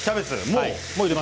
もう？